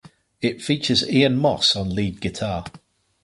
It features Ian Moss on lead guitar.